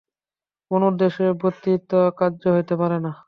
কোন উদ্দেশ্য ব্যতীত কার্য হইতে পারে না।